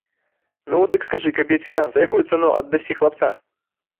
Ну, дык скажы, кабеціна, за якую цану аддасі хлапца?